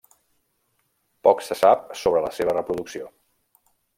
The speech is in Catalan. Poc se sap sobre la seva reproducció.